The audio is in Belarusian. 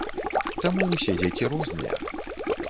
Таму ўсе дзеці розныя.